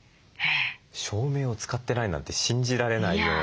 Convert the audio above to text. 照明を使ってないなんて信じられないような。